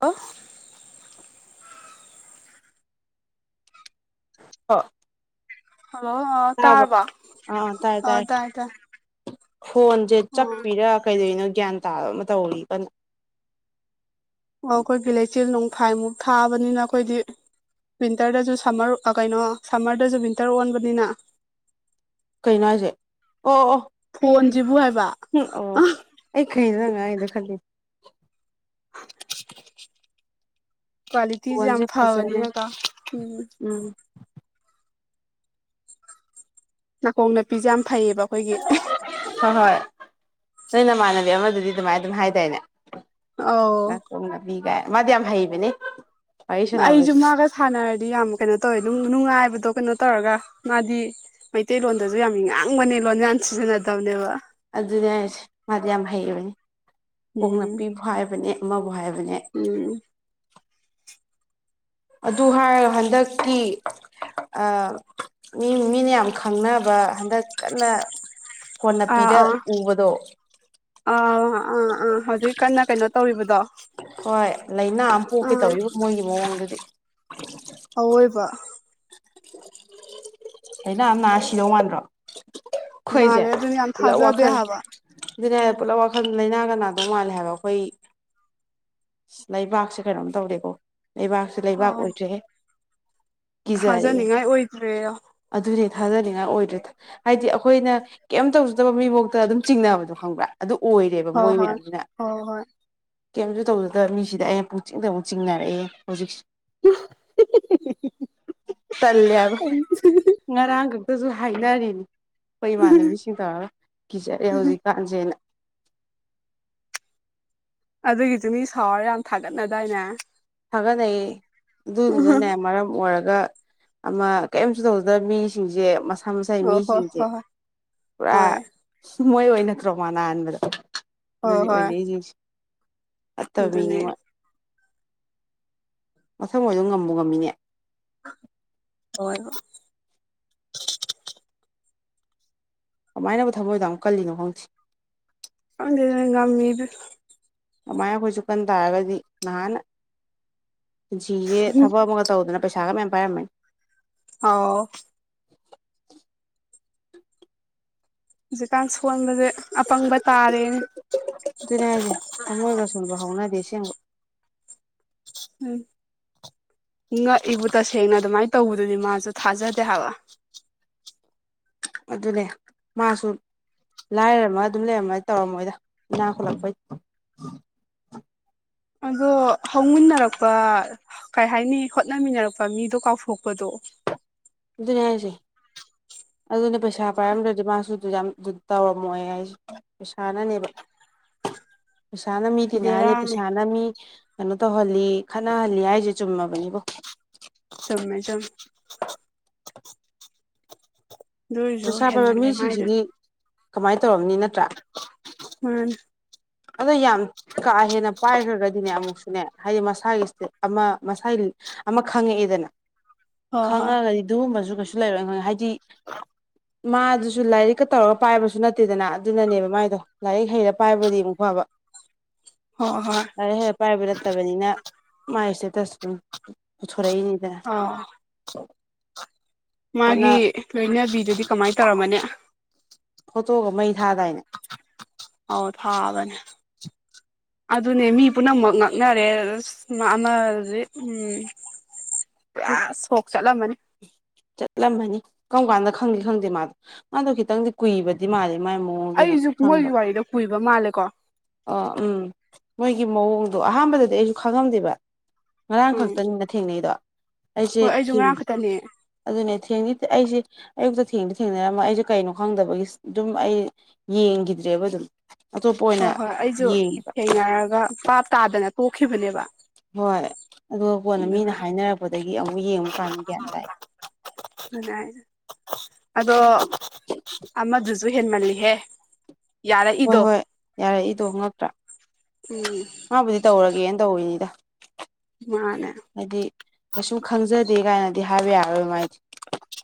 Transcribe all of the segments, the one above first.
hello [inaudible] ꯍ [inaudible] hello ꯇꯥꯕ ꯇꯥꯔꯕ ꯑꯥ ꯇꯥꯏ ꯇꯥꯏ ꯐꯣꯟꯁꯦ ꯑꯣ ꯑꯣ ꯆꯠꯄꯤꯔꯥ ꯀꯩꯗꯧꯅꯣ ꯒ꯭ꯌꯥꯟ ꯇꯥꯕ ꯑꯃ ꯇꯧꯔꯤ ꯀꯩꯅꯣ ꯑꯣ ꯑꯩꯈꯣꯏ ꯐꯤ ꯂꯩꯆꯦꯜ ꯅꯣꯡꯐꯥꯏꯃꯨꯛ ꯊꯥꯕꯅꯤꯅ ꯑꯩꯈꯣꯏꯗꯤ ꯋꯤꯟꯇꯔꯗꯁꯨ ꯁꯝꯃꯔ ꯀꯩꯅꯣ ꯁꯝꯃꯔꯗꯁꯨ ꯋꯤꯟꯇꯔ ꯑꯣꯟꯕꯅꯤꯅ ꯀꯩꯅꯣ ꯍꯥꯏꯁꯦ ꯑꯣ ꯑꯣ ꯍꯣꯟꯖꯕꯨ ꯎꯝ ꯑꯣ ꯑꯩ ꯈꯩꯗ ꯅꯪꯉ ꯑꯩꯗ ꯈꯜꯂꯤ ꯀ꯭ꯋꯥꯂꯤꯇꯤꯤꯁꯦ ꯌꯥꯝ ꯐꯣꯟꯁꯦ ꯐꯖꯔꯦ ꯐꯕꯅꯤꯅꯀꯣ ꯎꯝ ꯅꯥꯀꯣꯡ ꯅꯥꯄꯤꯁꯦ ꯌꯥꯝ ꯐꯩꯌꯦꯕ ꯑꯩꯈꯣꯏꯒꯤ ꯍꯣꯏ ꯍꯣꯏ ꯅꯣꯏ ꯅꯃꯥꯟꯅꯕꯤ ꯑꯃꯗꯨꯗꯤ ꯑꯗꯨꯃꯥꯏꯅ ꯑꯗꯨꯝ ꯍꯥꯏꯇꯥꯅꯦ ꯑꯧ ꯅꯥꯀꯣꯡꯝꯅꯅꯥꯄꯤꯒꯥꯏ ꯃꯗꯤ ꯌꯥꯝꯝ ꯍꯩꯕꯅꯦ ꯋꯥꯔꯤ ꯑꯩꯁꯨ ꯁꯥꯟꯅꯕꯁꯦ ꯃꯥꯒ ꯁꯥꯟꯅꯔꯗꯤ ꯌꯥꯝ ꯀꯩꯅꯣ ꯇꯧꯋꯦ ꯅꯨꯡꯉꯥꯏꯕꯗꯣ ꯀꯩꯅꯣ ꯇꯧꯔꯒ ꯃꯥꯗꯤ ꯃꯩꯇꯩꯂꯣꯟꯗꯁꯨ ꯌꯥꯝ ꯉꯥꯡꯕꯅꯦ ꯂꯣꯟ ꯌꯥꯝꯟ ꯁꯤꯖꯤꯟꯅꯗꯕꯅꯦꯕ ꯑꯗꯨꯅꯦꯁꯦ ꯃꯥꯗꯤ ꯌꯥꯝ ꯍꯩꯕꯅꯤ ꯀꯣꯛ ꯎꯝ ꯄꯤꯕꯨ ꯍꯥꯏꯕꯅꯦ ꯑꯃꯕꯨ ꯍꯥꯏꯕꯅꯦ ꯎꯝ ꯑꯗꯨ ꯍꯥꯏꯔꯒꯣ ꯍꯟꯗꯛꯀꯤ ꯃꯤ ꯃꯤꯅ ꯌꯥꯝ ꯈꯪꯅꯕ ꯍꯟꯗꯛ ꯀꯟꯅ ꯍꯣꯟꯅ ꯄꯤꯔ ꯎꯕꯗꯣ ꯑ ꯑꯥ ꯑꯥ ꯍꯧꯖꯤꯛ ꯀꯟꯅ ꯀꯩꯅꯣ ꯇꯧꯔꯤꯕꯗꯣ ꯍꯣꯏ ꯂꯥꯏꯅꯥ ꯑꯃ ꯄꯣꯛꯀꯦ ꯑꯥ ꯇꯧꯔꯤꯕꯕ ꯃꯣꯏꯒꯤ ꯃꯑꯣꯡꯗꯨꯗꯤ ꯑꯣꯏꯕ ꯑꯩꯅ ꯅꯥ ꯁꯤꯅꯧ ꯃꯥꯟ꯭ꯔꯣ ꯑꯩꯣꯏꯁꯦ ꯃꯥꯜꯂꯦ ꯑꯗꯨꯅ ꯌꯥꯝ ꯄꯨꯂꯞ ꯊꯥꯖꯗꯦ ꯋꯥꯈꯜ ꯍꯥꯏꯕ ꯑꯗꯨꯅꯦ ꯄꯨꯂꯞ ꯋꯥꯈꯜ ꯂꯥꯏꯅꯥ ꯀꯅꯥꯗꯧ ꯃꯥꯜꯂꯦ ꯍꯥꯏꯕ ꯑꯩꯈꯣꯏ ꯑ ꯂꯩꯕꯥꯛꯁꯦ ꯀꯩꯅꯣꯝ ꯇꯧꯔꯦꯀꯣ ꯂꯩꯕꯥꯛꯁꯦ ꯂꯩꯕꯥꯛ ꯑꯥ ꯑꯣꯏꯗ꯭ꯔꯦꯍꯦ ꯀꯖꯔꯦ ꯊꯥꯖꯅꯤꯡꯉꯥꯏ ꯑꯣꯏꯗ꯭ꯔꯦ ꯑꯗꯨꯔꯦ ꯊꯥꯖꯅꯤꯡꯉꯥꯏ ꯑꯣꯏꯗ꯭ꯔꯦ ꯍꯥꯏꯗꯤ ꯑꯩꯈꯣꯏꯅ ꯀꯩꯝ ꯇꯧꯖꯗꯕ ꯃꯤꯐꯥꯎꯇ ꯑꯗꯨꯝ ꯆꯤꯡꯅꯕꯗꯣ ꯈꯪꯕ꯭ꯔꯥ ꯑꯗꯨ ꯑꯣꯏꯔꯦꯕ ꯍꯣꯏ ꯃꯣꯏ ꯍꯣꯏ ꯃꯌꯥꯝꯁꯤꯅ ꯍꯣꯏ ꯍꯣꯏ ꯀꯦꯝꯁꯨ ꯇꯧꯗꯨꯗ ꯃꯤꯁꯤꯗ ꯑꯩꯅ ꯄꯨꯛ ꯆꯤꯡꯗ ꯑꯃꯨꯛ ꯆꯤꯡꯅꯔꯛꯑꯦ ꯍꯧꯖꯤꯛ ꯇꯂꯦꯕ ꯉꯔꯥꯡ ꯀꯛꯇꯁꯨ ꯍꯥꯏꯅꯔꯤꯅꯤ ꯑꯩꯈꯣꯏ ꯏꯃꯥꯟꯅꯕꯤꯁꯤꯡ ꯇꯧꯔꯒ ꯀꯤꯖꯔꯑꯦ ꯍꯧꯖꯤꯛꯀꯥꯟꯁꯦꯅ ꯑꯗꯨꯒꯤꯁꯨ ꯃꯤ ꯁꯥꯎꯔ ꯌꯥꯝ ꯊꯥꯒꯠꯅꯗꯥꯏꯅꯦ ꯊꯥꯒꯠꯅꯩ ꯑꯗꯨꯗꯨꯗꯅꯦ ꯃꯔꯝ ꯑꯣꯏꯔꯒ ꯑꯃ ꯀꯔꯤꯝꯁꯨ ꯇꯧꯗ ꯃꯤꯁꯤꯡꯁꯦ ꯁꯁꯥꯏ ꯑꯣ ꯍꯣꯏ ꯃꯤꯁꯤꯡꯁꯦ ꯍꯣꯏ ꯄꯨꯔꯥ ꯍꯣꯏ ꯃꯣꯏ ꯑꯣꯏꯅꯠꯇ꯭ꯔꯣꯃ ꯅꯥꯍꯟꯕꯗ ꯑꯗꯨꯅꯤ ꯑꯣꯏꯅꯩ ꯌꯦꯁꯦ ꯑꯗꯨꯗꯨꯅꯦ ꯃꯁꯪ ꯑꯣꯏꯗꯝ ꯉꯝꯕ ꯉꯝꯃꯤꯅꯦꯦ ꯑꯣ ꯀꯃꯥꯏꯅꯅꯕ ꯊꯃꯣꯏꯗ ꯑꯃꯨꯛ ꯀꯜꯂꯤꯅꯣ ꯈꯪꯁꯤꯦ ꯑꯗꯨ ꯉꯝꯃꯦꯗ ꯑꯗꯨꯃꯥꯏꯅ ꯑꯩꯈꯣꯏꯁꯨ ꯀꯟ ꯇꯥꯔꯒꯗꯤ ꯅꯍꯥꯟ ꯄꯨꯟꯁꯤꯁꯦ ꯊꯕꯛ ꯑꯃꯒ ꯇꯧꯗꯅ ꯄꯩꯁꯥꯒ ꯃꯌꯥꯝꯦꯝ ꯄꯥꯏꯔꯝꯃꯦ ꯑꯣꯥꯎ ꯍꯧꯖꯤꯛ ꯀꯥꯡ ꯁꯋꯥꯡꯕꯁꯦ ꯑꯗꯨꯣꯏꯅꯦ ꯍꯥꯏꯁꯦ ꯊꯃꯣꯏꯒ ꯁꯣꯟꯕ ꯍꯧꯅꯗꯦ ꯑꯁꯦꯡꯕ ꯎꯝ ꯉꯛꯏꯕꯨ ꯇꯁꯦꯡꯅ ꯑꯗꯨꯃꯥꯏꯅ ꯇꯧꯕꯗꯨꯅꯤ ꯃꯥꯁꯨ ꯊꯥꯖꯗꯦ ꯍꯥꯏꯂ ꯑꯗꯨꯅꯦ ꯃꯥꯁꯨ ꯂꯥꯏꯔꯃ ꯑꯗꯨꯝ ꯂꯩꯔꯝꯃꯣꯏ ꯇꯧꯔꯝꯃꯣꯏꯗ ꯏꯅꯥꯈꯠꯂꯛꯄꯩ [inaudible] ꯑꯗꯣ ꯍꯧꯃꯤꯟꯅꯔꯛꯄ ꯀꯩ ꯍꯥꯏꯅꯤ ꯍꯣꯠꯅꯃꯤꯟꯅꯔꯛꯄ ꯃꯤꯗꯣ ꯀꯥꯎꯊꯣꯛꯄꯗꯣ ꯑꯗꯨꯅꯦ ꯍꯥꯏꯁꯦ ꯑꯗꯨꯅ ꯄꯩꯁꯥ ꯄꯥꯏꯔꯝꯗ꯭ꯔꯗꯤ ꯃꯥꯁꯨ ꯑꯗꯨ ꯌꯥꯝ ꯑꯗꯨ ꯇꯧꯔꯝꯃꯣꯏ ꯑꯩꯁ ꯄꯩꯁꯥꯅꯅꯦꯕ ꯄꯩꯁꯥꯅ ꯃꯤꯗꯤꯤꯅꯦ ꯍꯥꯏ ꯂꯩꯦ ꯕꯦꯔꯥꯅꯦ ꯄꯩꯁꯥꯅ ꯃꯤ ꯀꯩꯅꯣ ꯇꯧꯍꯜꯂꯤ ꯈꯠꯅꯍꯜꯂꯤ ꯍꯥꯏꯁꯦ ꯆꯨꯝꯃꯕꯅꯤꯀꯣ ꯆꯃꯦ ꯆꯝ ꯑꯣꯏꯔꯁꯨ ꯄꯩꯁꯥ ꯄꯥꯏꯕ ꯍꯦꯟꯃꯜꯂꯦ ꯃꯤꯁꯤꯡꯁꯤꯗꯤ ꯃꯥꯏꯗꯨꯗꯤ ꯀꯃꯥꯏꯅ ꯇꯧꯔꯕꯝꯅꯤ ꯅꯠꯇ꯭ꯔꯥ ꯃꯥꯅꯤ ꯑꯗꯣ ꯌꯥꯝ ꯀꯥ ꯍꯦꯟꯅ ꯄꯥꯏꯈ꯭ꯔꯒꯗꯤꯅꯦ ꯑꯃꯨꯛꯁꯨꯅꯦ ꯍꯥꯏꯗꯤ ꯃꯁꯥꯒꯤ ꯏꯁꯇꯦ ꯑꯃ ꯃꯁꯥꯒꯤ ꯑꯃ ꯈꯪꯉꯛꯑꯦꯗꯅ ꯍꯣꯏ ꯍꯣꯏ ꯈꯪꯉꯒꯗꯤ ꯑꯗꯨꯒꯨꯝꯕꯁꯨ ꯀꯩꯁꯨ ꯂꯩꯔꯣꯏꯅ ꯈꯪꯦ ꯍꯥꯏꯗꯤ ꯃꯥꯗꯨꯁꯨ ꯂꯥꯏꯔꯤꯛꯀ ꯇꯧꯔꯒ ꯄꯥꯏꯕꯁꯨ ꯅꯠꯇꯦꯗꯅ ꯑꯗꯨꯅꯅꯦꯕ ꯃꯥꯏꯗꯣ ꯂꯥꯏꯔꯤꯛ ꯍꯩꯔ ꯄꯥꯏꯕꯗꯤ ꯑꯃꯨꯛ ꯐꯕ ꯍꯣꯏ ꯍꯣꯏ [unintelligible] ꯍꯔꯦ ꯍꯔꯦ ꯄꯥꯏꯕ ꯅꯠꯇꯕꯅꯤꯅ ꯃꯥꯥꯏ ꯏꯁꯇꯦꯇꯁ ꯑꯗꯨꯝ ꯈꯔꯅꯤꯗ ꯑꯥꯎ ꯃꯥꯒꯤ ꯂꯣꯏꯅꯕꯤꯗꯨꯗꯤ ꯀꯃꯥꯏꯅ ꯇꯧꯔꯝꯃꯅꯦ ꯐꯣꯇꯣꯒ ꯃꯩ ꯊꯥꯗꯥꯏꯅꯦ ꯍꯥꯎꯗ ꯊꯥꯕꯅꯦ ꯑꯗꯨꯅꯦ ꯃꯤ ꯄꯨꯝꯅꯃꯛ ꯉꯛꯅꯔꯦ ꯑ ꯑꯃꯖꯤ ꯎꯝ [unintelligible] ꯄꯁ ꯍꯣꯛ ꯆꯠꯂ ꯃꯅꯤ ꯆꯠꯂꯝꯃꯅꯤ ꯀꯔꯝ ꯀꯥꯟꯗ ꯈꯪꯗꯦ ꯈꯪꯗꯦ ꯃꯥꯗꯣ ꯃꯥꯗꯣ ꯈꯤꯇꯪꯗꯤ ꯀꯨꯏꯕꯗꯤ ꯃꯥꯜꯂꯦ ꯃꯥꯏ ꯃꯑꯣꯡꯗꯨꯅꯦ ꯑꯩꯁꯨ ꯃꯣꯏꯒꯤ ꯈꯪꯕꯗ ꯋꯥꯔꯤꯗꯣ ꯀꯨꯏꯕ ꯃꯥꯜꯂꯦꯀꯣ ꯑꯣ ꯎꯝ ꯃꯣꯏꯒꯤ ꯃꯑꯣꯡꯗꯣ ꯑꯍꯥꯟꯕꯗꯗꯤ ꯑꯩꯁꯨ ꯈꯪꯉꯝꯗꯦꯕ ꯉꯔꯥꯡ ꯎꯝ ꯈꯛꯇꯅꯤꯅ ꯊꯦꯡꯅꯩꯗꯣ ꯑꯩꯁꯦ ꯍꯣꯏ ꯑꯩꯁꯨ ꯉꯔꯥꯡ ꯊꯦꯡꯗꯤ ꯈꯛꯇꯅꯦ ꯑꯗꯨꯅꯦ ꯊꯦꯡꯗꯤ ꯑꯩꯁꯦ ꯑꯌꯨꯛꯇ ꯊꯦꯡꯗꯤ ꯊꯦꯡꯅꯔꯝꯃ ꯑꯩꯁꯨ ꯀꯩꯅꯣ ꯈꯪꯗꯕꯒꯤ ꯑꯗꯨꯝ ꯑꯩ ꯌꯦꯡꯈꯤꯗ꯭ꯔꯦꯕ ꯑꯗꯨꯝ ꯑꯇꯣꯞꯄ ꯍꯣꯏ ꯑꯣꯏꯅ ꯍꯣꯏ ꯑꯩꯁꯨ ꯌꯦꯡꯉꯦꯕ ꯊꯦꯡꯅꯔꯒ ꯄꯥꯞ ꯇꯥꯗꯅ ꯇꯣꯛꯈꯤꯕꯅꯦꯕ ꯍꯣꯏ ꯑꯗꯨꯒ ꯀꯣꯟꯅ ꯃꯤꯅ ꯑꯗꯨꯒ ꯍꯥꯏꯅꯔꯛꯄꯗꯒꯤ ꯑꯃꯨꯛ ꯌꯦꯡꯕꯨꯀꯥꯟꯗ ꯒ꯭ꯌꯥꯟ ꯇꯥꯏ ꯎ ꯑꯗꯣ ꯑꯃꯗꯨꯁꯨ ꯨꯍꯦꯟ ꯃꯜꯂꯤ ꯍꯦ ꯍꯣꯏ ꯍꯣꯏ ꯌꯥꯔ ꯏꯗꯣꯉꯛꯇ꯭ꯔꯥ ꯎꯝ ꯃꯥꯕꯨꯗꯤ ꯇꯧꯔꯒꯦꯅ ꯇꯧꯔꯤꯅꯤꯗ ꯃꯥꯅꯦ ꯍꯥꯏꯗꯤ ꯀꯩꯁꯨꯝ ꯈꯪꯖꯗꯦ ꯀꯥꯏꯅꯗꯤ ꯍꯥꯏꯕ ꯌꯥꯔꯣꯏ ꯃꯥꯏꯗꯤ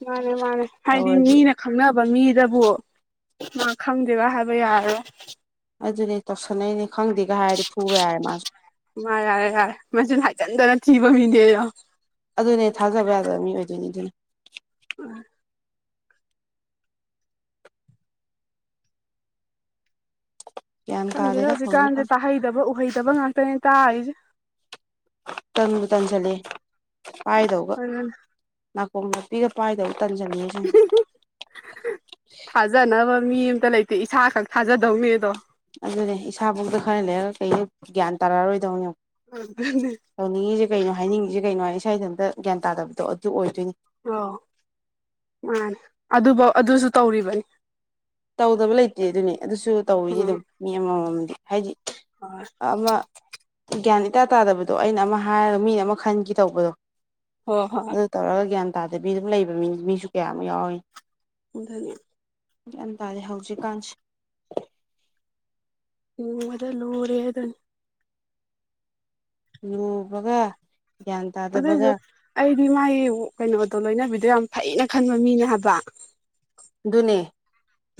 ꯃꯥꯅꯦ ꯃꯥꯅꯦ ꯍꯥꯏꯗꯤ ꯇꯧꯔꯒꯦ ꯃꯤꯅ ꯈꯪꯅꯕ ꯃꯤꯗꯕꯨ ꯃꯥ ꯈꯪꯗꯦꯕ ꯍꯥꯏꯕ ꯌꯥꯔꯔꯣꯏ ꯑꯗꯨꯅꯦ ꯇꯧꯁꯅꯩꯅꯦ ꯃꯥ ꯌꯥꯔꯦ ꯌꯥꯔꯦ ꯃꯁꯤ ꯍꯥꯏꯖꯤꯟꯗꯅ ꯊꯤꯕ ꯃꯤꯅꯦ ꯑꯗꯣ ꯑꯗꯨꯅꯦ ꯊꯥꯖꯕ ꯌꯥꯗꯕ ꯃꯤ ꯑꯣꯏꯗꯣꯏꯅꯤ ꯑꯗꯨꯅ ꯎꯝ ꯒ꯭ꯌꯥꯟ ꯈꯪꯗꯦꯗꯦ ꯇꯥꯗꯦꯗ ꯍꯧꯖꯤꯛꯀꯥꯟꯁꯦ ꯍꯧꯖꯤꯛꯀꯥꯟ ꯇꯥꯍꯩꯗꯕ ꯎꯍꯩꯗꯕ ꯉꯥꯛꯇꯅꯦ ꯇꯥꯔꯤꯁꯦ ꯇꯟꯁꯨ ꯇꯟꯁꯤꯂ ꯄꯥꯏꯗꯧꯕ ꯑꯗꯨꯅ ꯅꯥꯀꯣꯡ ꯄꯤꯒ ꯄꯥꯏꯗꯧꯕ ꯇꯅꯤ ꯆꯂꯁꯤ ꯊꯥꯖꯅꯕ ꯃꯤ ꯑꯃꯇ ꯂꯩꯇꯦ ꯏꯁꯥ ꯈꯛ ꯊꯥꯖꯗꯧꯅꯦ ꯑꯗꯣ ꯑꯗꯨꯅꯦ ꯏꯁꯥꯕꯨꯧꯗ ꯈꯔ ꯂꯩꯔꯒ ꯀꯩ ꯒ꯭ꯌꯥꯟ ꯇꯥꯔꯛꯔꯣꯏꯗꯧꯅꯦ ꯑꯗꯨꯅꯦ ꯇꯧꯅꯤꯡꯉꯁꯤꯦ ꯀꯩꯅꯣ ꯍꯥꯏꯅꯤꯡꯉꯤꯁꯦ ꯀꯩꯅꯣ ꯍꯥꯏ ꯏꯁꯥ ꯏꯗꯟꯇ ꯒ꯭ꯌꯥꯟ ꯇꯥꯗꯕꯗꯣ ꯑꯗꯨ ꯑꯣꯏꯗꯣꯏꯅꯦ ꯑ ꯃꯥꯅꯦ ꯑꯗꯨꯐꯧ ꯑꯗꯨꯁꯨ ꯇꯧꯔꯤꯕꯅꯤ ꯇꯧꯗꯕ ꯂꯩꯇꯦ ꯑꯗꯨꯅꯦ ꯑꯗꯨꯁꯨ ꯇꯧꯋꯗꯤ ꯎꯝ ꯑꯗꯨꯝ ꯃꯤ ꯑꯃꯃꯝꯗꯤ ꯍꯥꯏꯗꯤ ꯍꯣꯏ ꯑꯃ ꯒ꯭ꯌꯥꯟ ꯏꯇꯥ ꯇꯥꯗꯕꯗꯣ ꯑꯩꯅ ꯑꯃ ꯍꯥꯏꯔꯒ ꯃꯤꯅ ꯑꯃ ꯈꯟꯈꯤ ꯇꯧꯕꯗꯣ ꯍꯣꯏ ꯍꯣꯏ ꯑꯗꯨ ꯇꯧꯔꯒ ꯒ꯭ꯌꯥꯟ ꯇꯥꯗꯕꯤ ꯑꯗꯨꯝ ꯂꯩꯕ ꯃꯤ ꯃꯤꯁꯨ ꯀꯌꯥꯃꯨꯛ ꯌꯥꯎꯋꯤ ꯑꯣꯗꯒꯤ ꯒ꯭ꯌꯥꯟ ꯇꯥꯔꯦ ꯍꯧꯖꯤꯛꯀꯥꯟꯁꯦ ꯑꯣꯗ ꯂꯣꯔꯦ ꯑꯗꯨꯅꯤ ꯂꯨꯕꯒ ꯒ꯭ꯌꯥꯟ ꯇꯥꯗꯕꯒ ꯑꯗꯨꯏꯁꯨ ꯑꯩꯗꯤ ꯃꯥꯒꯤ ꯀꯩꯅꯣꯗꯣ ꯂꯣꯏꯅꯕꯤꯗꯣ ꯌꯥꯝ ꯐꯩꯅ ꯈꯟꯕ ꯃꯤꯅ ꯍꯥꯏꯕ ꯅꯦ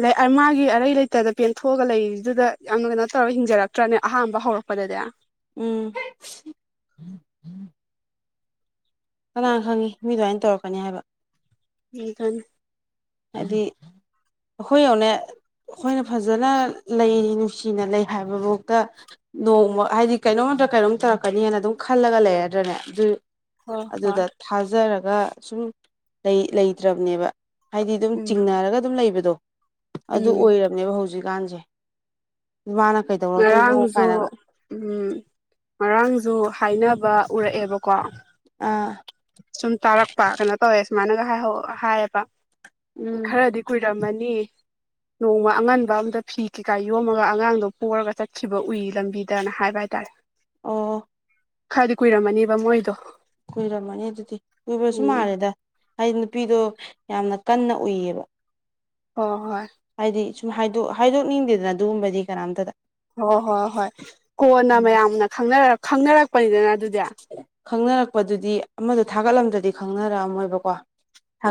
ꯂꯩ ꯃꯥꯒꯤ ꯑꯔꯩ ꯂꯩꯇꯗ ꯄꯦꯟꯊꯣꯛꯑꯒ ꯂꯩꯔꯤꯗꯨꯗ ꯌꯥꯝꯅ ꯀꯩꯅꯣ ꯇꯧꯔꯒ ꯍꯤꯡꯖꯔꯛꯇ꯭ꯔꯅꯦ ꯑꯍꯥꯟꯕ ꯍꯧꯔꯛꯄ ꯑꯗꯨꯗ ꯎꯝ ꯀꯅꯥꯅ ꯈꯪꯉꯤ ꯃꯤ ꯑꯗꯨꯃꯥꯏꯅ ꯇꯧꯔꯛꯀꯅꯤ ꯍꯥꯏꯕ ꯎꯝ ꯐꯅꯤ ꯍꯥꯏꯗꯤ ꯑꯩꯈꯣꯏ ꯑꯣꯏꯅꯅꯦ ꯑꯩꯈꯣꯏꯅ ꯐꯖꯅ ꯂꯩꯔꯤ ꯅꯨꯡꯁꯤꯅ ꯂꯩ ꯍꯥꯏꯕꯐꯥꯎꯗ ꯅꯣꯡꯃ ꯍꯥꯏꯗꯤ ꯀꯩꯅꯣꯝ ꯑꯝꯗ ꯀꯩꯅꯣꯝ ꯇꯧꯔꯛꯀꯅꯤꯅ ꯑꯗꯨꯝ ꯈꯜꯂꯒ ꯂꯩꯗ꯭ꯔꯅꯦ ꯑꯗꯨ ꯍꯣꯏ ꯑꯗꯨꯗ ꯍꯣꯏ ꯊꯥꯖꯔꯒ ꯁꯨꯝ ꯂꯩꯇ꯭ꯔꯕꯅꯦꯕ ꯍꯥꯏꯗꯤ ꯑꯗꯨꯝ ꯎꯝ ꯆꯤꯡꯅꯔꯒ ꯑꯗꯨꯝ ꯂꯩꯕꯗꯣ ꯑꯗꯨ ꯎꯝ ꯑꯣꯏꯔꯕꯅꯦꯕ ꯍꯧꯖꯤꯛꯀꯥꯟꯁꯦ ꯃꯥꯅ ꯀꯩꯗꯧꯔꯛꯇꯣꯏꯅꯣ ꯉꯔꯥꯡꯁꯨ ꯀꯥꯏꯅꯒ ꯎ ꯉꯔꯥꯡꯁꯨ ꯍꯥꯏꯅꯕ ꯎꯔꯛꯑꯦꯕꯀꯣ ꯑꯥ ꯁꯨꯝ ꯇꯥꯔꯛꯄ ꯀꯩꯅꯣ ꯇꯧꯋꯦ ꯁꯨꯃꯥꯏꯅꯒ ꯍꯥꯏꯌꯦꯕ ꯎꯝ ꯈꯔꯗꯤ ꯀꯨꯏꯔꯝꯃꯅꯤ ꯍꯅꯤ ꯅꯣꯡꯃ ꯑꯉꯟꯕ ꯑꯝꯗ ꯐꯤ ꯀꯩꯀꯥ ꯌꯣꯝꯃꯒ ꯑꯉꯥꯡꯗꯣ ꯄꯔꯒ ꯆꯠꯈꯤꯕ ꯎꯏ ꯂꯝꯕꯤꯗꯅ ꯍꯥꯏꯕ ꯍꯥꯏꯇꯥꯔꯦ ꯑꯣ ꯈꯔꯗꯤ ꯀꯨꯏꯔꯝꯃꯅꯦꯕ ꯃꯣꯏꯗꯣ ꯀꯨꯏꯔꯝꯃꯅꯤ ꯑꯗꯨꯗꯤ ꯀꯨꯏꯕꯁꯨ ꯎꯝ ꯃꯥꯜꯂꯦꯗꯩꯅ ꯅꯨꯄꯤꯗꯣ ꯌꯥꯝꯅ ꯀꯟꯅ ꯎꯏꯌꯦꯕ ꯍ ꯍꯣꯏ ꯍꯥꯏꯗꯤ ꯁꯨꯝ ꯍꯥꯏꯗꯣꯛꯅꯤꯡꯗꯦꯗꯅ ꯑꯗꯨꯒꯨꯝꯕꯗꯤ ꯀꯅꯥꯝꯇꯗ ꯍꯣꯏ ꯍꯣꯏ ꯍꯣꯏ ꯀꯣꯟꯅ ꯎꯝ ꯃꯌꯥꯝꯅ ꯈꯪꯅꯔꯛꯄꯅꯤꯗꯅ ꯑꯗꯨꯗꯤ ꯈꯪꯅꯔꯛꯄꯗꯨꯗꯤ ꯑꯃꯗꯣ ꯊꯥꯒꯠꯂꯝꯗ꯭ꯔꯗꯤ ꯈꯪꯅꯔꯛꯑꯝꯃꯣꯏꯕꯀꯣ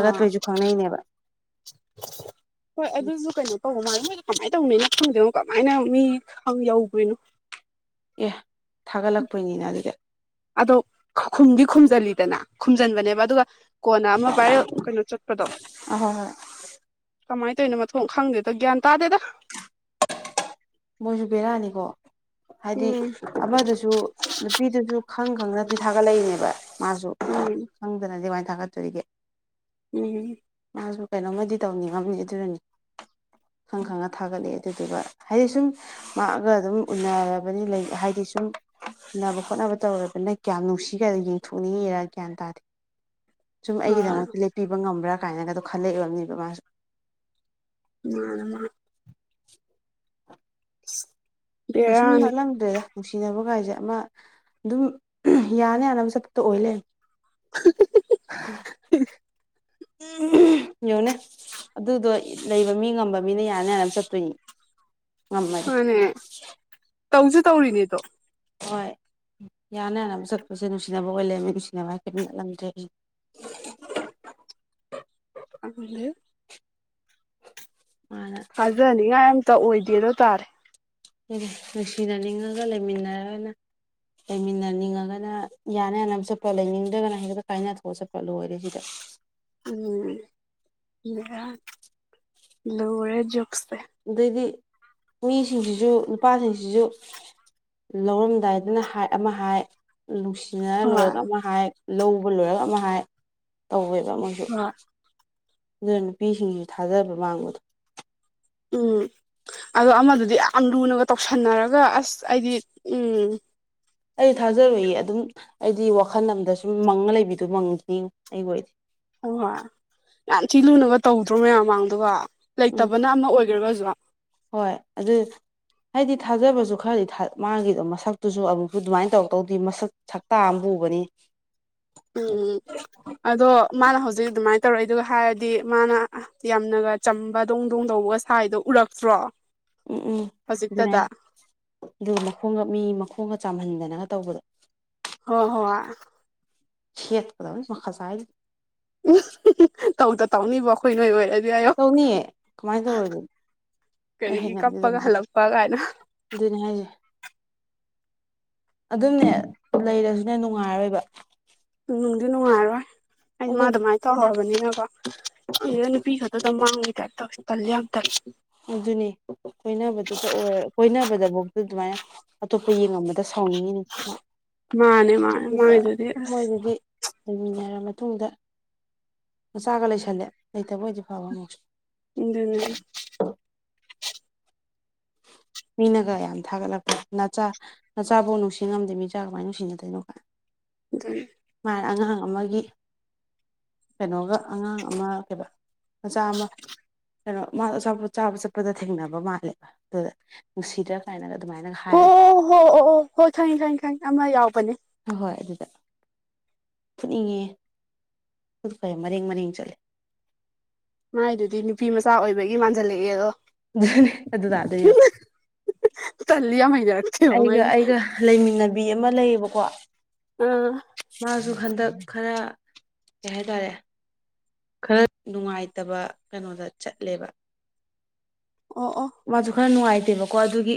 ꯑꯥ ꯈꯪꯅꯩꯅꯦꯕ ꯍꯣꯏ ꯑꯗꯨꯁꯨ ꯀꯩꯅꯣ ꯇꯧ ꯃꯥ ꯀꯃꯥꯏꯅ ꯇꯧꯅꯩꯅ ꯐꯗꯅꯨ ꯀꯃꯥꯏꯅ ꯃꯤ ꯌꯧꯈꯣꯏꯅꯣ ꯑꯦ ꯊꯥꯒꯠꯂꯛꯄꯩꯅꯤꯅ ꯑꯗꯨꯗꯤ ꯑꯗꯣꯈꯨꯝꯗꯤ ꯈꯨꯝꯖꯤꯜꯂꯤꯗꯅ ꯈꯨꯝꯖꯤꯟꯕꯅꯦꯕ ꯑꯗꯨꯒ ꯀꯣꯟꯅ ꯑꯃ ꯚꯥꯏꯔ ꯀꯩꯅꯣ ꯆꯠꯄꯗꯣ ꯑꯍꯣꯏ ꯍꯣꯏ ꯀꯃꯥꯏꯅ ꯇꯧꯔꯤꯅꯣ ꯃꯊꯣꯡ ꯈꯪꯗꯦꯗ ꯒ꯭ꯌꯥꯟ ꯇꯥꯗꯦꯗ ꯃꯣꯏꯁꯨ ꯕꯦꯔꯥꯅꯤꯀꯣ ꯍꯥꯏꯗꯤ ꯎꯝ ꯑꯃꯗꯁꯨ ꯅꯨꯄꯤꯗꯨꯁꯨ ꯈꯪ ꯈꯪꯗꯅꯗꯤ ꯊꯥꯒꯠꯂꯛꯏꯅꯦꯕ ꯃꯥꯁꯨ ꯎꯝ ꯈꯪꯗꯅꯗꯤ ꯀꯃꯥꯏꯅ ꯊꯥꯒꯠꯇꯣꯔꯤꯒꯦ ꯎꯝ ꯃꯥꯁꯨ ꯀꯩꯅꯣꯝꯃꯗꯤ ꯇꯧꯅꯤꯡꯉꯝꯅꯤ ꯑꯗꯨꯅꯅꯤ ꯈꯪ ꯈꯪꯅ ꯊꯥꯒꯠꯂꯛꯑꯦ ꯑꯗꯨꯗꯨꯒ ꯍꯥꯏꯗꯤ ꯁꯨꯝ ꯉꯥꯛꯑꯒ ꯑꯗꯨꯝ ꯎꯅꯔꯕꯅꯤ ꯍꯥꯏꯗꯤ ꯁꯨꯝ ꯁꯅꯕ ꯈꯣꯠꯅꯕ ꯇꯧꯔꯕꯅ ꯀꯌꯥꯝ ꯅꯨꯡꯁꯤꯈ꯭ꯔꯅ ꯌꯦꯡꯊꯣꯛꯅꯤꯡꯉꯤꯔꯥ ꯒ꯭ꯌꯥꯟ ꯇꯥꯗꯦ ꯁꯨꯝ ꯑꯥ ꯑꯩꯒꯤꯗꯃꯛꯇ ꯂꯦꯞꯄꯤꯕ ꯉꯝꯕ꯭ꯔꯥ ꯀꯥꯏꯅꯒꯗꯣ ꯈꯜꯂꯛꯏꯕꯅꯦꯕ ꯃꯥꯁꯨ ꯎ [inaudible] ꯀꯩꯁꯟ ꯕꯦꯔꯥꯅꯤ ꯅꯅꯥꯂꯝꯗꯦ ꯅꯨꯡꯁꯤꯅꯕ ꯅꯨꯡꯉꯥꯏꯖꯦ ꯑꯃ ꯑꯗꯨꯝ ꯌꯥꯅ ꯌꯥꯅꯕ ꯆꯠꯄꯗꯣ ꯑꯣꯏ ꯂꯩ ꯎꯝ ꯌꯦꯡꯣꯅꯦ ꯑꯗꯨꯗꯣ ꯂꯩꯕ ꯃꯤ ꯉꯝꯕ ꯃꯤꯅ ꯌꯥꯅꯤ ꯌꯥꯅ ꯑꯃ ꯆꯠꯇꯣꯏꯅꯤ ꯉꯝꯃꯗꯤ ꯃꯥꯅꯦ ꯇꯧꯁꯨ ꯇꯧꯔꯤꯅꯤꯗꯣ ꯍꯣꯏ ꯌꯥꯅ ꯌꯥꯅꯕ ꯆꯠꯄꯁꯦ ꯅꯨꯡꯁꯤꯅꯕ ꯑꯣꯏ ꯂꯩꯔꯝꯃꯦ ꯅꯨꯡꯁꯤꯅꯕ ꯍꯥꯏꯁꯦ ꯀꯩꯁꯨ ꯅꯠꯂꯝꯗ꯭ꯔꯦ [inaudible] ꯑꯗꯨꯗꯤ ꯃꯥꯅ ꯊꯥꯖꯅꯤꯉꯥꯏ ꯑꯝꯇ ꯑꯣꯏꯗꯦꯗꯨ ꯇꯥꯔꯦ ꯅꯨꯡꯁꯤꯅꯅꯤꯡꯉꯒ ꯂꯩꯃꯤꯟꯅꯔꯅ ꯂꯩꯃꯤꯟꯅꯅꯤꯡꯉꯒꯅ ꯌꯥꯅ ꯌꯥꯅꯕ ꯆꯠꯄ ꯂꯩꯅꯤꯡꯗ꯭ꯔꯒꯅ ꯍꯦꯛꯇ ꯀꯥꯏꯅ ꯊꯣꯛꯑ ꯆꯠꯄ ꯂꯣꯏꯔꯦ ꯁꯤꯗ ꯎꯝ ꯕꯦꯔꯥꯅꯤ ꯂꯣꯏꫪꯦ ꯖꯨꯒ ꯁꯦ ꯑꯗꯩꯗꯤ ꯃꯤꯁꯤꯡꯁꯤꯁꯨ ꯅꯨꯄꯥꯁꯤꯡꯁꯤꯁꯨ ꯂꯧꯔꯝꯗꯥꯏꯗꯅ ꯍꯥꯏ ꯑꯃ ꯍꯥꯏ ꯅꯨꯡꯁꯤꯅꯔ ꯍꯣꯏ ꯂꯣꯏꯔꯒ ꯑꯃ ꯍꯥꯏ ꯂꯧꯕ ꯂꯣꯏꯔꯒ ꯑꯃ ꯍꯥꯏ ꯇꯧꯋꯦꯕ ꯃꯣꯏꯁꯨ ꯍꯣꯏ ꯑꯗꯨꯅ ꯅꯨꯄꯤꯁꯤꯡꯁꯨ ꯊꯥꯖꯕ ꯃꯥꯡꯕꯗꯣ ꯎꯝ ꯑꯗꯣ ꯑꯃꯗꯨꯗꯤ ꯌꯥꯝ ꯂꯨꯅꯒ ꯇꯧꯁꯟꯅꯔꯒ ꯑꯁ ꯑꯩꯗꯤ ꯎꯝ ꯑꯩ ꯊꯥꯖꯔꯣꯏꯌꯦ ꯑꯗꯨꯝ ꯑꯩꯗꯤ ꯋꯥꯈꯜ ꯑꯃꯗ ꯁꯨꯝ ꯃꯪꯉ ꯂꯩꯕꯤꯗꯣ ꯃꯪꯈꯤꯅꯤ ꯑꯩ ꯑꯣꯏꯗꯤ ꯍꯣꯏ ꯍꯣꯏ ꯌꯥꯝ ꯊꯤ ꯂꯨꯅꯒ ꯇꯧꯗ꯭ꯔꯣ ꯃꯌꯥꯝ ꯃꯥꯡꯗꯥꯒ ꯎꯝ ꯂꯩꯇꯕꯅ ꯑꯃ ꯑꯣꯏꯒ꯭ꯔꯒꯁꯨ ꯍꯣꯏ ꯑꯗꯨ ꯍꯥꯏꯗꯤ ꯊꯥꯖꯕꯁꯨ ꯈꯔꯗꯤ ꯊꯥ ꯃꯥꯡꯒꯤꯕ ꯃꯁꯛꯇꯨꯁꯨ ꯑꯃꯨꯛꯁꯨ ꯑꯗꯨꯃꯥꯏꯅ ꯇꯧꯔꯛꯇꯧꯗꯤ ꯃꯁꯛ ꯁꯛꯇꯥ ꯄꯨꯕꯅꯤ ꯎꯝ ꯑꯗꯣ ꯃꯥꯅ ꯍꯧꯖꯤꯛ ꯑꯗꯨꯃꯥꯏꯅ ꯇꯧꯔꯛꯏꯗꯨꯒ ꯍꯥꯏꯔꯗꯤ ꯃꯥꯅ ꯌꯥꯝꯅꯒ ꯆꯝꯕ ꯗꯣꯡꯗꯣꯡ ꯇꯧ ꯁꯥꯏꯗꯣ ꯎꯔꯛꯇ꯭ꯔꯣ ꯎꯝ ꯎꯝ ꯍꯧꯖꯤꯛꯇꯗ ꯒꯨꯠꯅꯥꯏꯠ ꯑꯗꯨꯕꯨ ꯃꯈꯣꯡꯒ ꯃꯤꯒꯤ ꯃꯈꯣꯡ ꯈꯣꯡꯒ ꯆꯥꯝꯍꯟꯗꯅꯒ ꯇꯧꯕꯗꯣ ꯍꯣꯏ ꯍꯣꯏ ꯁꯦꯠꯀꯗꯕꯅꯤ ꯃꯈꯥꯖꯥꯏꯗꯨꯗ ꯏꯁ ꯇꯧꯗ ꯇꯧꯅꯤꯕꯣ ꯑꯩꯈꯣꯏ ꯅꯣꯏ ꯑꯣꯏꯔꯗꯤ ꯍꯥꯏꯌꯣ ꯇꯧꯅꯤꯌꯦ ꯀꯃꯥꯏ ꯇꯧꫪꯣꯏꯗꯣꯏꯅꯣ ꯑꯩ ꯀꯔꯤꯒꯤ ꯍꯩꯅꯗꯦ ꯀꯞꯄꯒ ꯑꯗꯨꯃꯥꯏꯅ ꯍꯜꯂꯛꯄ ꯀꯥꯏꯅ ꯑꯗꯨꯅꯤ ꯍꯥꯏꯖꯦ ꯑꯗꯨꯝꯅꯦ ꯂꯩꯔꯁꯨꯅꯦ ꯅꯨꯡꯉꯥꯏꯔꯔꯣꯏꯕ ꯅꯨꯡꯗꯤ ꯅꯨꯡꯉꯥꯏꯔꯣꯏ ꯑꯩ ꯃꯥ ꯑꯗꯨꯃꯥꯏꯅ ꯇꯧꯔꯨꯔꯕꯅꯤꯅꯕꯥ ꯈꯪꯗꯦꯗꯥ ꯅꯨꯄꯤ ꯈꯛꯇꯗ ꯃꯥꯡꯕꯩ ꯇꯥꯞ ꯇꯧꯏ ꯇꯜꯂꯤ ꯌꯥꯝ ꯇꯜꯂꯤ ꯑꯗꯨꯅꯤ ꯀꯣꯏꯅꯕꯗꯨꯗ ꯑꯣꯏꯔ ꯀꯣꯏꯅꯕꯗꯕꯧꯗ ꯑꯗꯨꯃꯥꯏꯅ ꯑꯇꯣꯞꯄ ꯌꯦꯡꯉꯝꯕ ꯗ ꯁꯥꯎꯅꯤꯡꯉꯤꯅꯤ ꯃꯥꯅꯦ ꯃꯥꯅꯦ ꯑꯗꯨꯒ ꯃꯥꯏꯗꯨꯗꯤ ꯑꯁ ꯃꯣꯏꯗꯗꯤ ꯂꯩꯃꯤꯟꯅꯔ ꯃꯇꯨꯡꯗ ꯃꯆꯥꯒ ꯂꯩꯁꯜꯂꯦ ꯂꯩꯇꯕ ꯑꯣꯏꯗꯤ ꯐꯕ ꯑꯃꯨꯛꯁꯨ ꯑꯗꯨꯅꯦ [inaudible] ꯃꯤꯅꯒ ꯌꯥꯝ ꯊꯥꯒꯠꯂꯛꯄ ꯅꯆꯥ ꯅꯆꯥꯕꯨ ꯅꯨꯡꯁꯤ ꯉꯝꯗꯦ ꯃꯤꯆꯥ ꯀꯃꯥꯏꯅ ꯅꯨꯡꯁꯤꯅꯗꯣꯏꯅꯣ ꯀꯥꯏ ꯑꯗꯨꯅꯤ ꯃꯥꯅ ꯑꯉꯥꯡ ꯑꯃꯒꯤ ꯀꯩꯅꯣꯒ ꯑꯉꯥꯡ ꯑꯃ ꯀꯩꯕ ꯃꯆꯥ ꯑꯃ ꯀꯩꯅꯣ ꯃꯥꯗꯣ ꯑꯆꯥꯄꯣꯠ ꯆꯥꯕ ꯆꯠꯄꯗ ꯊꯦꯡꯅꯕ ꯃꯥꯜꯂꯦ ꯑꯗꯨꯗ ꯅꯨꯡꯁꯤꯗ꯭ꯔꯥ ꯀꯥꯏꯅꯒ ꯑꯗꯨꯃꯥꯏꯅꯒ ꯑꯣ ꯍꯥꯏꯕꯗ ꯑꯣ ꯍꯣ ꯑꯣ ꯑꯣ ꯍꯣꯏ ꯈꯪꯉꯦ ꯈꯪꯉꯦ ꯈꯪꯉꯦ ꯑꯃ ꯌꯥꯎꯕꯅꯦ ꯍꯣꯏ ꯍꯣꯏ ꯑꯗꯨꯗ ꯐꯨꯠꯅꯤꯡꯉꯦ ꯈꯨꯠꯀꯖꯦ ꯃꯔꯦꯡ ꯃꯔꯦꯡ ꯆꯠꯂꯦ ꯃꯥꯏꯗꯨꯗꯤ ꯅꯨꯄꯤ ꯃꯆꯥ ꯑꯣꯏꯕꯒꯤ ꯃꯥꯟꯖꯜꯂꯛꯑꯦꯗꯣ ꯑꯗꯨ ꯇꯥꯗꯣꯏꯅꯦ ꯌꯦꯡꯉꯣ ꯇꯜꯂꯤ ꯌꯥꯝ ꯍꯩꯅꯔꯛꯇꯦꯕ ꯑꯩꯒ ꯃꯥꯏꯅ ꯑꯩꯒ ꯂꯩꯃꯤꯟꯅꯕꯤ ꯑꯃ ꯂꯩꯌꯦꯕꯀꯣ ꯎꯝ ꯃꯥꯁꯨ ꯍꯟꯗꯛ ꯈꯔ ꯀꯩ ꯍꯥꯏꯇꯥꯔꯦ ꯈꯔ ꯅꯨꯡꯉꯥꯏꯇꯕ ꯀꯩꯅꯣꯗ ꯆꯠꯂꯦꯕ ꯑꯣ ꯑꯣ ꯃꯥꯁꯨ ꯈꯔ ꯅꯨꯡꯉꯥꯏꯇꯦꯕꯀꯣ ꯑꯗꯨꯒꯤ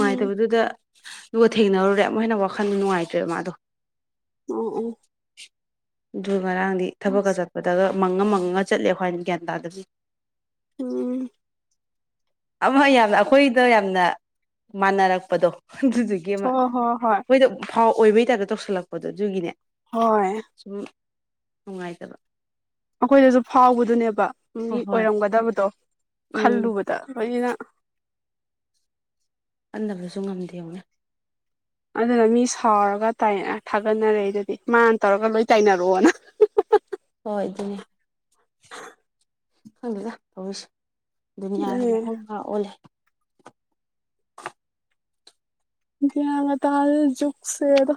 ꯎꯝ ꯑꯗꯨꯒꯒ ꯊꯦꯡꯅꯔꯨꯔꯦ ꯑꯃꯨꯛ ꯍꯦꯟꯅ ꯋꯥꯈꯟꯗ ꯅꯨꯡꯉꯥꯏꯇ꯭ꯔꯦꯕ ꯃꯥꯗꯣ ꯎꯝ ꯎꯝ ꯑꯗꯨ ꯉꯔꯥꯡꯗꯤ ꯊꯕꯛꯀ ꯆꯠꯄꯗꯒ ꯃꯪꯉ ꯃꯪꯉꯒ ꯆꯠꯂꯦ ꯑꯩ꯭ꯣꯏꯏꯅ ꯒ꯭ꯌꯥꯟ ꯇꯥꯗꯕꯅꯤ ꯎꯝ ꯑꯃ ꯌꯥꯝꯅ ꯑꯩꯈꯣꯏꯗ ꯌꯥꯝꯅ ꯃꯥꯟꯅꯔꯛꯄꯗꯣ ꯑꯗꯨꯗꯨꯒꯤ ꯑꯃ ꯍꯣꯏ ꯍꯣꯏ ꯍꯣꯏ ꯃꯣꯏꯗ ꯐꯥꯎ ꯑꯣꯏꯕꯩ ꯇꯥꯏꯞꯇ ꯇꯧꯁꯜꯂꯛꯄꯗꯣ ꯑꯗꯨꯒꯤꯅꯦ ꯍꯣꯏ ꯁꯨꯝ ꯅꯨꯡꯉꯥꯏꯇꯕ ꯑꯩꯈꯣꯏꯗꯁꯨ ꯐꯥꯎꯕꯗꯨꯅꯦꯕ ꯃꯤ ꯍꯣꯏ ꯍꯣꯏ ꯑꯣꯏꯔꯝꯒꯗꯕꯗꯣ ꯎꯝ ꯈꯜꯂꯨꯕꯗꯣꯏ [inaudible] ꯑꯟꯅꯕꯗꯁꯨ ꯉꯝꯗꯦ ꯌꯧꯅꯤ ꯑꯗꯨꯅ ꯃꯤ ꯁꯥꯎꯔꯒ ꯊꯥꯒꯠꯅꯔꯦ ꯑꯗꯨꯗꯤ ꯃꯥꯅ ꯇꯧꯔꯒ ꯂꯣꯏ ꯇꯥꯏꯅꯔꯛꯑꯣꯅ [unintelligible] ꯍꯣꯏ ꯑꯗꯨꯅꯦ ꯍꯪꯕꯤꯗ ꯍꯧꯁ ꯗꯨꯅꯤꯌꯥꯁ ꯑꯗꯨꯅꯦ ꯃꯪ ꯃꯈꯥ ꯑꯣꯜꯂꯦ ꯒꯌꯥꯟꯒ ꯇꯥ ꯖꯨꯛꯁꯦꯗ